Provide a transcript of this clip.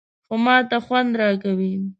_خو ماته خوند راکوي.